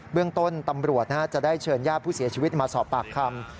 เรื่องต้นตำรวจจะได้เชิญญาติผู้เสียชีวิตมาสอบปากคำ